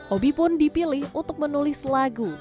obi pun dipilih untuk menulis lagu